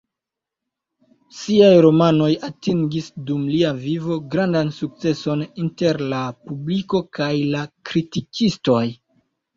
Siaj romanoj atingis, dum lia vivo, grandan sukceson inter la publiko kaj la kritikistoj.